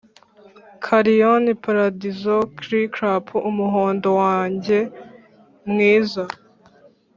carrion, paradizo, chirrup umuhondo wanjye mwiza.